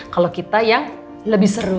kalau kita ya lebih berat berat